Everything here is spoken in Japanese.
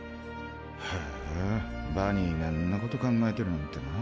へぇバニーがんなこと考えてるなんてな。